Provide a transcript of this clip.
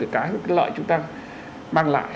cái lợi chúng ta mang lại